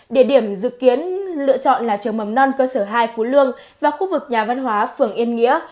địa điểm dự kiến lựa chọn là trường mầm non cơ sở hai phú lương và khu vực nhà văn hóa phường yên nghĩa